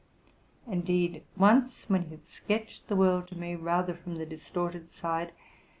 Indeed, once w hen he had sketched the world to me, rather from the distorted side